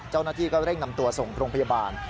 เจ้าหน้าที่ก็เร่งนำตัวส่งโรงพยาบาล